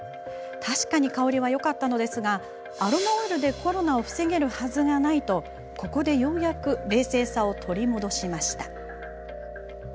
確かに香りはよかったのですがアロマオイルでコロナを防げるはずがないとここでようやく冷静さを取り戻しました。